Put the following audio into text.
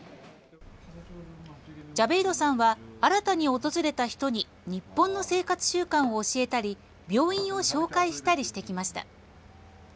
ジャベイドさんは新たに訪れた人に日本の生活習慣を教えたり病院を紹介したりしてきました。